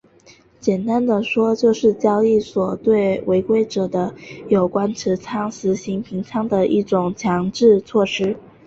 简单地说就是交易所对违规者的有关持仓实行平仓的一种强制措施。